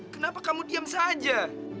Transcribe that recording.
kenapa kamu diam saja